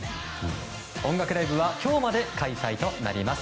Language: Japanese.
音楽ライブは今日まで開催となります。